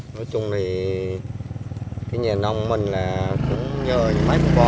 nói chung thì nhà nông của mình là cũng nhờ những bệnh bò